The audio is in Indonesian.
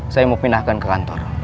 saya mau pindahkan ke kantor